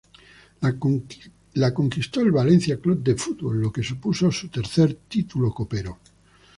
La conquistó el Valencia C. F., lo que supuso su tercer título copero.